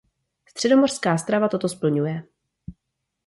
Středomořská strava toto splňuje.